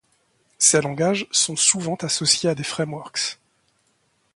Ces langages sont souvent associés à des frameworks.